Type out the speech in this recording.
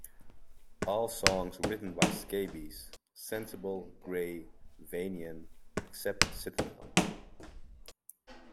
All songs written by Scabies, Sensible, Gray, Vanian, except "Citadel".